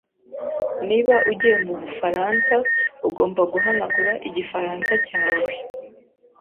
Niba ugiye mubufaransa, ugomba guhanagura igifaransa cyawe.